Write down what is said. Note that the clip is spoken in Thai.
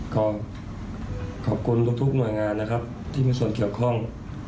ก็ขอบคุณทุกหน่วยงานนะครับที่มีส่วนเกี่ยวข้อง